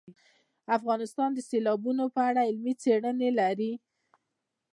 افغانستان د سیلابونه په اړه علمي څېړنې لري.